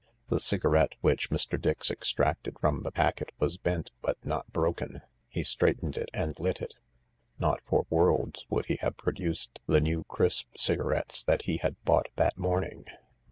The cigarette which Mr. Dix extracted from the packet was bent but not broken. He straightened it and lit it. Not for worlds would he have produced the new crisp cigarettes that he had bought that morning.